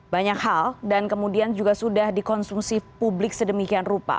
banyak hal dan kemudian juga sudah dikonsumsi publik sedemikian rupa